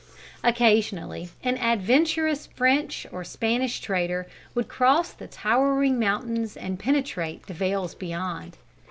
Occasionally an adventurous French or Spanish trader would cross the towering mountains and penetrate the vales beyond.